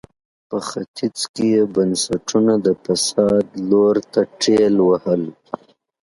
په ختیځ کې یې بنسټونه د فساد لور ته ټېل وهل.